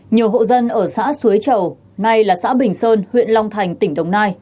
nhiều hộ dân ở xã suối chầu nay là xã bình sơn huyện long thành tỉnh đồng nai